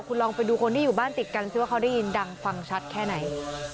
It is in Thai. คุณลองไปดูคนที่อยู่บ้านติดกันสิว่าเขาได้ยินดังฟังชัดแค่ไหน